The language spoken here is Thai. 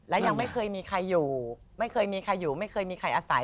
และยังไม่เคยมีใครอยู่ไม่เคยมีใครอยู่ไม่เคยมีใครอาศัย